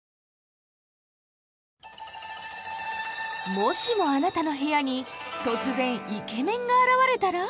もしもあなたの部屋に突然イケメンが現れたら？